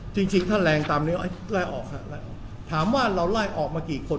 จริงจริงถ้าแรงตามเนื้อไล่ออกครับถามว่าเราไล่ออกมากี่คน